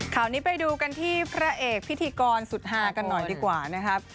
ข่าวนี้ไปดูกันที่พระเอกพิธีกรสุดฮากันหน่อยดีกว่านะครับ